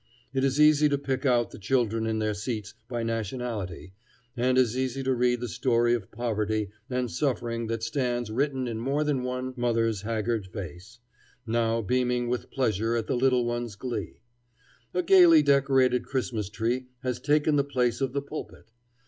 It is easy to pick out the children in their seats by nationality, and as easy to read the story of poverty and suffering that stands written in more than one mother's haggard face, now beaming with pleasure at the little ones' glee. A gaily decorated Christmas tree has taken the place of the pulpit.